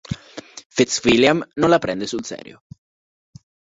Fitzwilliam non la prende sul serio.